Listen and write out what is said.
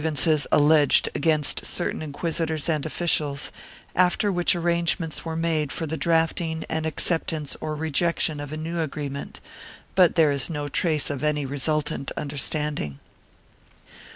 IV] AEAGON 455 ances alleged against certain inquisitors and officials, after which arrangements were made for the drafting and acceptance or rejection of a new agreement, but there is no trace of any resultant understanding.